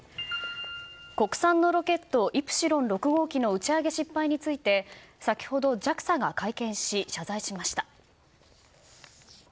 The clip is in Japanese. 国産のロケット「イプシロン６号機」の打ち上げ失敗について先ほどＪＡＸＡが会見し謝罪しました。